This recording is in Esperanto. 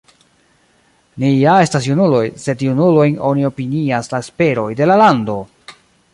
Ni ja estas junuloj, sed junulojn oni opinias la esperoj de la lando!